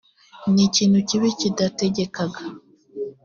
ni ikintu kibi kidategekeka